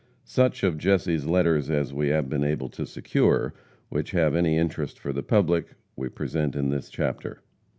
Such of Jesse's letters as we have been able to secure, which have any interest for the public, we present in this chapter.